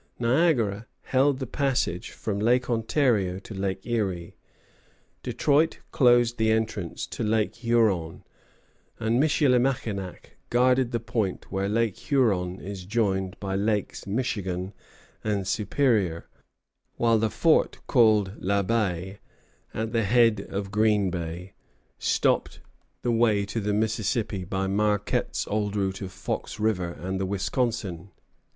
Niagara held the passage from Lake Ontario to Lake Erie. Detroit closed the entrance to Lake Huron, and Michillimackinac guarded the point where Lake Huron is joined by Lakes Michigan and Superior; while the fort called La Baye, at the head of Green Bay, stopped the way to the Mississippi by Marquette's old route of Fox River and the Wisconsin.